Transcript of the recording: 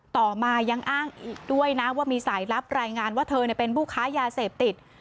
ต่อมายังอ้างอีกด้วยนะว่ามีสายลับรายงานว่าเธอเป็นผู้ค้ายาเสพติด